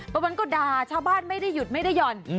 บางวันก็ด่าชาวบ้านไม่ได้หยุดไม่ได้หย่อน